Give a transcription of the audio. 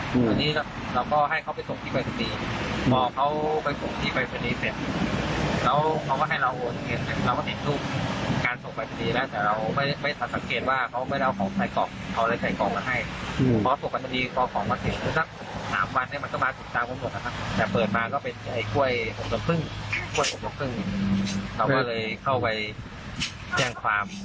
แต่เปิดปากก็เป็นไอ้ก้วยหกสำคึ้งเราก็เลยเข้าไปแจ้งความลงตำรวจภูทภูมิระยอง